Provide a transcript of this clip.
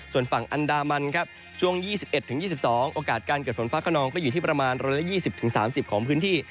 ส่วนฝั่งอันดามันครับช่วง๒๑๒๒โอกาสการเกิดฝนฟ้าขนองก็อยู่ที่ประมาณ๑๒๐๓๐ของพื้นที่